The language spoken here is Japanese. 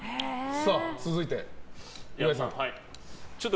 続いて、岩井さん。